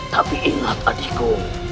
tapi ingat adikku